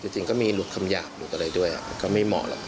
จริงก็มีหลุดคำหยาบหลุดอะไรด้วยก็ไม่เหมาะหรอก